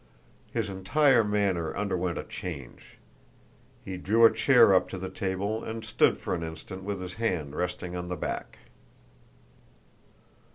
His entire manner underwent a change; he drew a chair up to the table, and stood for an instant with his hand resting on the back.